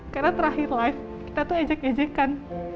karena terakhir live kita tuh ejek ejekan